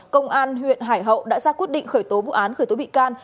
công an huyện hải hậu đã ra quyết định khởi tố vụ án khởi tố bị can